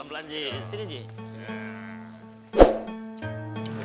pelan pelan ji sini ji